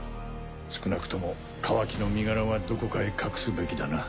少なくともカワキの身柄はどこかへ隠すべきだな。